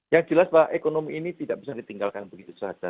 yang jelas bahwa ekonomi ini tidak bisa ditinggalkan begitu saja